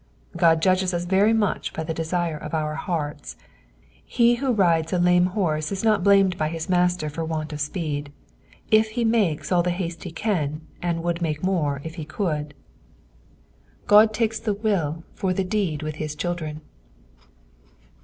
Ood judges us very much by the desire of our hearts. He who rides a lame horse is not blamed by his master for want of speed, if he makes all the haste be caii, and would make more if he could ; God takes the will for the PSALIt THE TWENTT SEVEin'H. 3 dBcd^thhU children.